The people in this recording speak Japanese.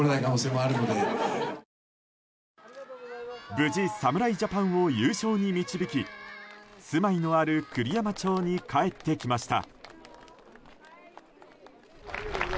無事、侍ジャパンを優勝に導き住まいのある栗山町に帰ってきました。